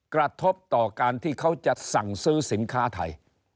กระทบต่อการที่เขาจะสั่งซื้อสินค้าไทย